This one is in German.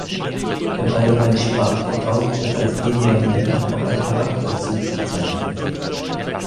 Im allgemeinen Sprachgebrauch wird als Lineament auch ein Charakterzug bezeichnet.